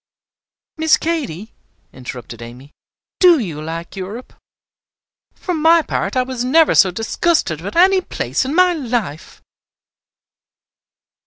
"Miss Katy," interrupted Amy, "do you like Europe? For my part, I was never so disgusted with any place in my life!"